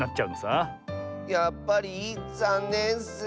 やっぱりざんねんッス。